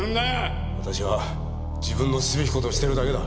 私は自分のすべき事をしているだけだ。